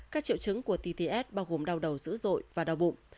các triệu chứng của tts bao gồm đau đầu dữ dội và đau bụng